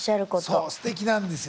そうすてきなんですよ。